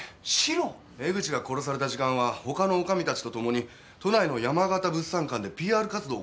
江口が殺された時間は他の女将たちとともに都内の山形物産館でＰＲ活動を行ってました。